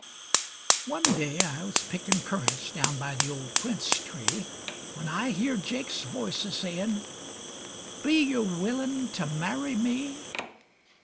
One day I was pickin' currants daown by the old quince tree, When I heerd Jake's voice a saying', "Be yer willin' ter marry me?"